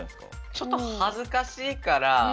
ちょっと恥ずかしいから。